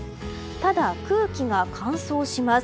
ただ、空気が乾燥します。